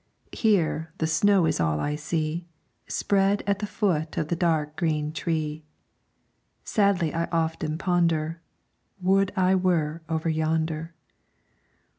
Here the snow is all I see, Spread at the foot of the dark green tree; Sadly I often ponder, Would I were over yonder.